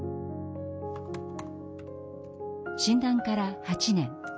診断から８年。